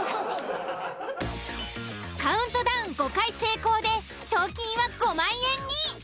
カウントダウン５回成功で賞金は５０，０００円に。